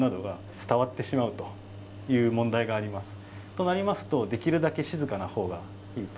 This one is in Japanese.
となりますとできるだけ静かなほうがいいと。